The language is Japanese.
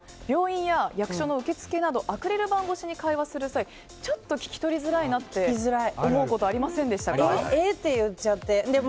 皆さん病院や役所の受け付けなどアクリル板越しに会話する際ちょっと聞き取りづらいなと思うことありませんでしたか？